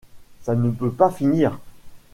Ça ne peut pas finir...